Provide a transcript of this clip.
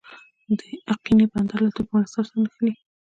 د اقینې بندر له ترکمنستان سره نښلي